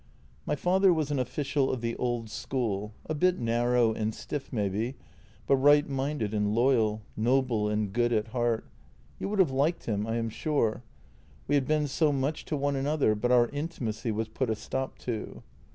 My father was an official of the old school — a bit narrow and stiff maybe, but right minded and loyal, noble and good at heart. You would have liked him, I am sure. We had been so much to one another, but our in timacy was put a stop to.